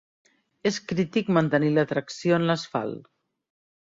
És crític mantenir la tracció en l'asfalt.